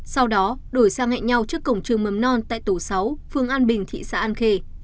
sau đó đổi sang hẹn nhau trước cổng trường mầm non tại tổ sáu phương an bình thị xã an khê